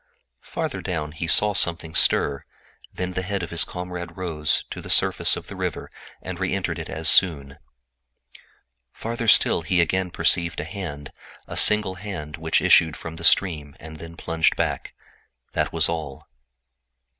Farther down he saw something stir; then the head of his comrade rose to the surface of the river and sank immediately. Farther still he again perceived a hand, a single hand, which issued from the stream and then disappear. That was all.